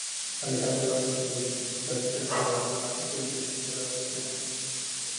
Alejandro hace introducciones clásicas que dan una potencia especial a los temas.